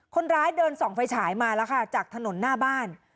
คนร้ายเดินส่องไฟฉายมาแล้วค่ะจากถนนหน้าบ้าน